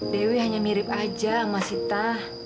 dewi hanya mirip aja sama sita